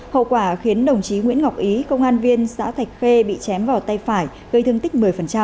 hậu quả khiến đồng chí nguyễn ngọc ý công an viên xã thạch khê bị chém vào tay phải gây thương tích một mươi